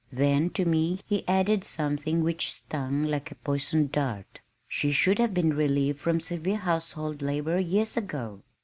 Then to me he added something which stung like a poisoned dart. "She should have been relieved from severe household labor years ago."